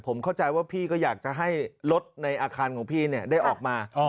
ผมเข้าใจว่าพี่ก็อยากจะให้รถในอาคารของพี่ได้ออกมา